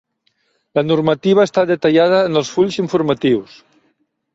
La normativa està detallada en els fulls informatius.